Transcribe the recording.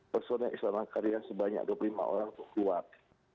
personel istana karya sebanyak dua puluh lima orang keluar